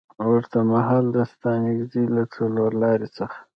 ورته مهال د ستانکزي له څلورلارې څخه